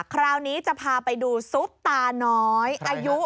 คราวนี้จะพาไปดูซุปตาน้อยอายุ